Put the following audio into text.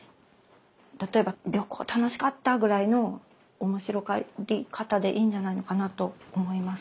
例えば「旅行楽しかった」ぐらいの面白がり方でいいんじゃないのかなと思います。